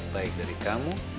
baik dari kamu